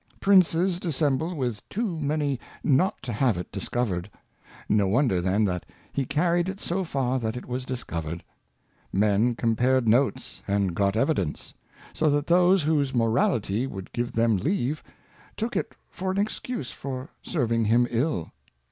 Princes dissemble with too many not to have it discovered ; no wonder then that He carried it so far that it was discovered. Men compared Notes, and got Evidence ; so that those whose Morality would give them leave, took it for an Exeuse for serving him ill.